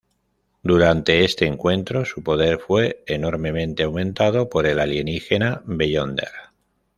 Durante este encuentro, su poder fue enormemente aumentado por el alienígena Beyonder.